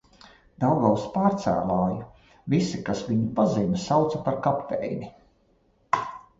Daugavas pārcēlāju visi, kas viņu pazina, sauca par kapteini.